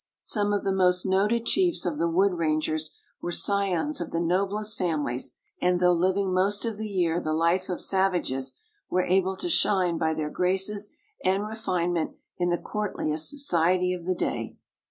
Some of the most noted chiefs of the wood rangers were scions of the noblest families; and though living most of the year the life of savages, were able to shine by their graces and refinement in the courtliest society of the day.